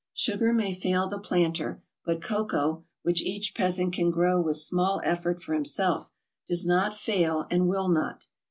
Sugar may fail the planter, but cocoa, which each peasant can grow with small effort for himself, does not fail and will not.